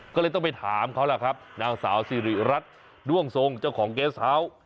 ก็เลยต้องไปถามเขาล่ะครับนางสาวสิริรัตน์ด้วงทรงเจ้าของเกสเฮาส์